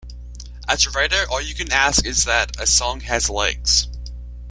As a writer, all you can ask is that a song has legs.